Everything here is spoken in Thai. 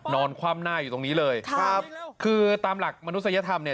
คว่ำหน้าอยู่ตรงนี้เลยครับคือตามหลักมนุษยธรรมเนี่ย